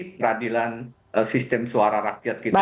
peradilan sistem suara rakyat kita